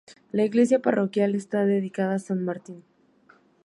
La iglesia parroquial está dedicada a San Martín.